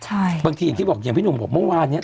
ใช่บางทีอย่างที่บอกอย่างพี่หนุ่มบอกเมื่อวานเนี้ย